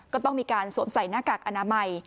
ก็ต้องมีการสวมใส่หน้ากากอนามัย